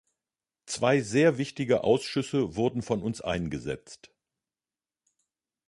Zwei sehr wichtige Ausschüsse wurden von uns eingesetzt.